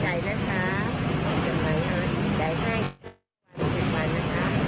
เกี่ยวกับพ่อแม่ผู้ปกครองที่กำลังไม่สอนลงทาง